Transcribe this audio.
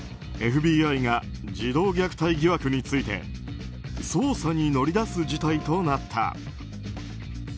ＦＢＩが児童虐待疑惑について捜査に乗り出す事態となった。